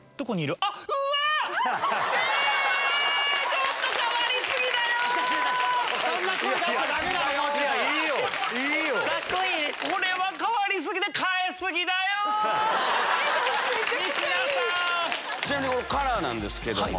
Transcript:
ちなみにカラーなんですけど。